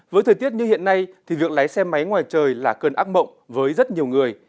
với thời tiết như hiện nay thì việc lái xe máy ngoài trời là cơn ác mộng với rất nhiều người